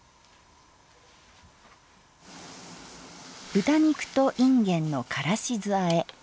「豚肉といんげんのからし酢あえ」。